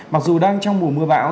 mặc dù đang trong mùa mưa bão